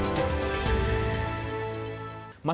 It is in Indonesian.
kita sudah berjalan dengan baik